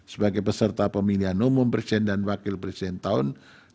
sebagai peserta pemilihan umum presiden dan wakil presiden tahun dua ribu sembilan belas